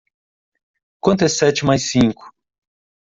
Quanto é sete mais cinco.